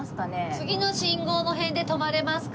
次の信号の辺で止まれますか？